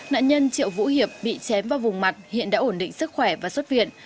nạn nhân triệu vũ hiệp bị chém vào vùng mặt hiện đã ổn định sức khỏe và xuất viện